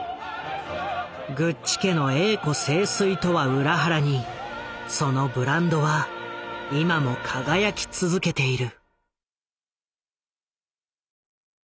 グッチ家の栄枯盛衰とは裏腹にそのブランドは今も輝き続けている。